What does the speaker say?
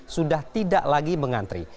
sudah tidak lagi mengantri